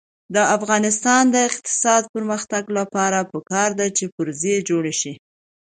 د افغانستان د اقتصادي پرمختګ لپاره پکار ده چې پرزې جوړې شي.